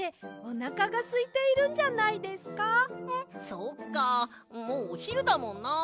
そっかもうおひるだもんな！